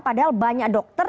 padahal banyak dokter